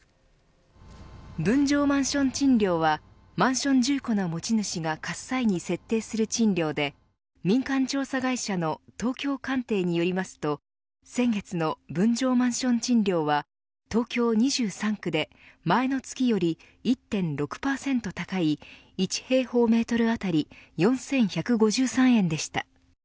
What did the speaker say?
分譲マンション賃料はマンション住戸の持ち主が貸す際に設定する賃料で民間調査会社の東京カンテイによりますと先月の分譲マンション賃料は東京２３区で前の月より１．６％高い１平方メートルあたり４１５３円でした。